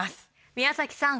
宮崎さん